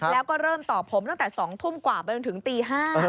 แล้วก็เริ่มตอบผมตั้งแต่๒ทุ่มกว่าไปจนถึงตี๕